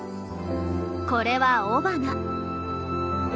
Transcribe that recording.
これは雄花。